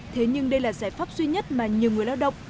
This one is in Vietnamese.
thế nhưng đây là giải pháp duy nhất mà nhiều người lao động